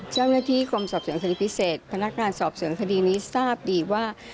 เจ้าหน้าที่กรมสอบสวนคดีพิเศษพนักงานสอบสวนคดีนี้ทราบดีว่า